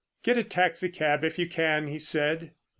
"Get a taxi cab, if you can," he said.